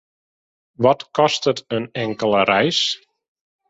Wat kostet in inkelde reis?